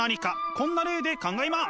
こんな例で考えます。